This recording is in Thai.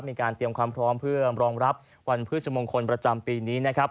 มีการเตรียมความพร้อมเพื่อรองรับวันพฤษมงคลประจำปีนี้นะครับ